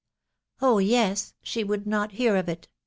" Oh yes !.... She would not hear of it.